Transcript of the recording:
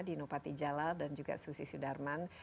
dino patijala dan juga susi sudarman